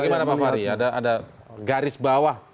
bagaimana pak fahri ada garis bawah